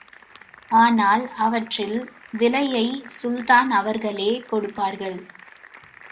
ஆனால், அவற்றின் விலையை சுல்தான் அவர்களே கொடுப்பார்கள்.